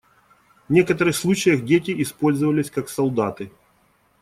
В некоторых случаях дети использовались как солдаты.